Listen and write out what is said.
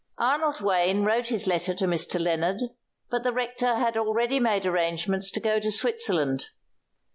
Arnold Wayne wrote his letter to Mr. Lennard, but the rector had already made arrangements to go to Switzerland.